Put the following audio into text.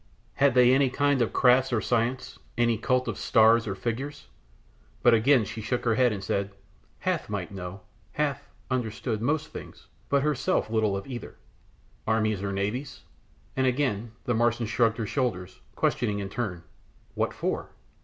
"Had they any kind of crafts or science; any cult of stars or figures?" But again she shook her head, and said, "Hath might know, Hath understood most things, but herself knew little of either." "Armies or navies?" and again the Martian shrugged her shoulders, questioning in turn "What for?"